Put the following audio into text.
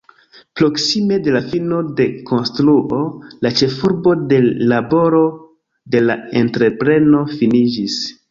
Proksime de la fino de konstruo, la ĉefurbo de laboro de la entrepreno finiĝis.